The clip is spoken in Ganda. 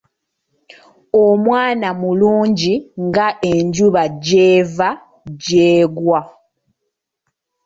Omwana mulungi nga Enjuba gy'eva gy'egwa.